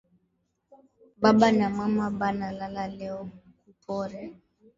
Baba na mama bana lala leo ku pori